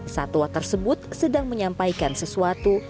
satwa tersebut sedang menyampaikan sesuatu